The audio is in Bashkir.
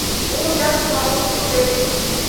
Ул ят бауыр түгел.